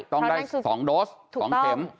ต้องได้๒โดส๒เข็ม